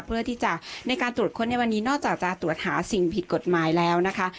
เพื่อที่จะในการตรวจค้นในวันนี้นอกจากจะตรวจหาสิ่งผิดกฎหมายแล้วนะคะ